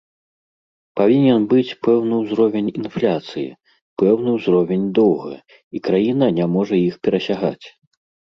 Павінен быць пэўны ўзровень інфляцыі, пэўны ўзровень доўга, і краіна не можа іх перасягаць.